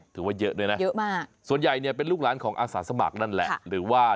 ถือว่าเยอะด้วยนะเยอะมากส่วนใหญ่เนี่ยเป็นลูกหลานของอาสาสมัครนั่นแหละหรือว่า